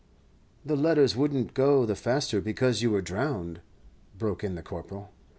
"The letters wouldn't go the faster because you were drowned," broke in the Corporal.